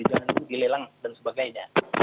jangan dulu dilelang dan sebagainya